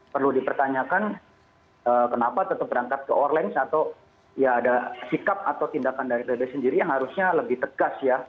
perlu dipertanyakan kenapa tetap berangkat ke online atau ya ada sikap atau tindakan dari pb sendiri yang harusnya lebih tegas ya